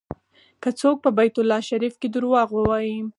که څوک په بیت الله شریف کې دروغ ووایي.